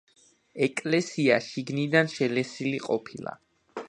ეკლესია შიგნიდან შელესილი ყოფილა.